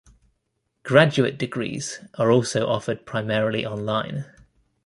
Graduate degrees are also offered primarily online.